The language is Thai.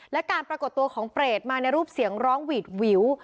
และการปรากฏตัวของเปรตมาในรูปเสียงร้องหวีดวิว